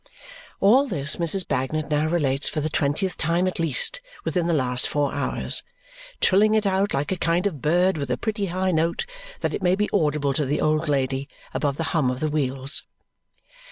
'" All this Mrs. Bagnet now relates for the twentieth time at least within the last four hours. Trilling it out like a kind of bird, with a pretty high note, that it may be audible to the old lady above the hum of the wheels.